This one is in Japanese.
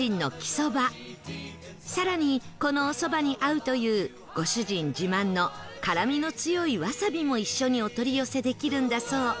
更にこのおそばに合うというご主人自慢の辛みの強いわさびも一緒にお取り寄せできるんだそう